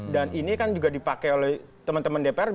dan ini kan juga dipakai oleh teman teman dpr